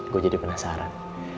gue jadi penasaran